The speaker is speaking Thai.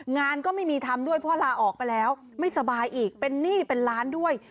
งานก็ไม่มีทำด้วยเพราะลาออกไปแล้วไม่สบายอีกเป็นหนี้เป็นล้านด้วย